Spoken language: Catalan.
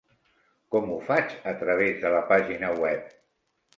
Com ho faig a través de la pàgina web?